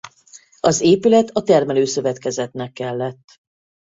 Az épület a termelőszövetkezetnek kellett.